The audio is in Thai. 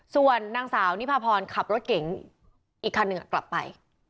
ส่วนนางสาวนิพาพรขับรถเก๋งอีกคันหนึ่งกลับไป